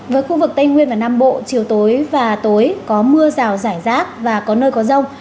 với khu vực tây nguyên và nam bộ chiều tối và tối có mưa rào rải rác và có nơi có rông